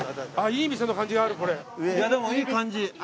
いやでもいい感じ。